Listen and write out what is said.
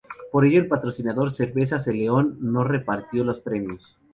Por ello el patrocinador Cervezas El León no repartió los premios.